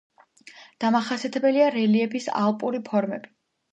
დამახასიათებელია რელიეფის ალპური ფორმები.